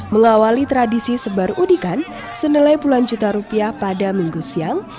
mengawali tradisi sebar udikan senilai puluhan juta rupiah pada minggu siang